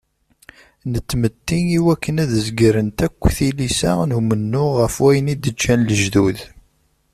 N tmetti iwakken ad zegrent akk tilisa n umennuɣ ɣef wayen i d-ǧǧan lejdud.